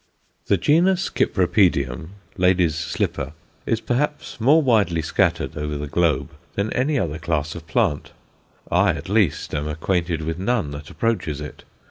The genus Cypripedium, Lady's Slipper, is perhaps more widely scattered over the globe than any other class of plant; I, at least, am acquainted with none that approaches it.